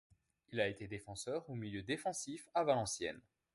Il a été défenseur ou milieu défensif à Valenciennes.